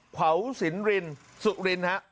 เขาสินรินสุริน